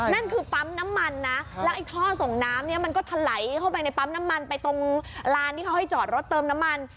นั่นคือปั๊มน้ำมันนะแล้วไอ้ท่อส่งน้ำเนี่ยมันก็ถลายเข้าไปในปั๊มน้ำมันไปตรงลานที่เขาให้จอดรถเติมน้ำมัน